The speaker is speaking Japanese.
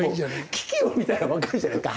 機器を見たらわかるじゃないですか